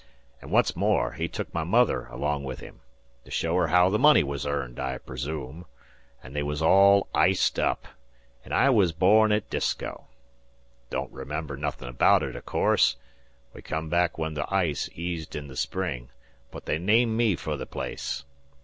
An' what's more, he took my mother along with him, to show her haow the money was earned, I presoom, an' they was all iced up, an' I was born at Disko. Don't remember nothin' abaout it, o' course. We come back when the ice eased in the spring, but they named me fer the place.